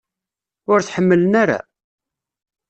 Ur t-ḥemmlen ara?